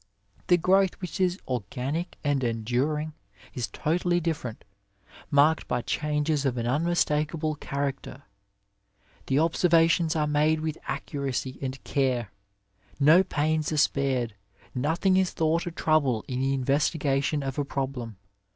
The growth which is organic and enduring, is totally different, marked by changes of an unmistakable character. The observations are made with accuracy and care, no pains are spared, nothing is thought a trouble in the investigation of a problem.